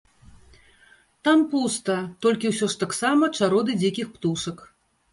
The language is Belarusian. Там пуста, толькі ўсё ж таксама чароды дзікіх птушак.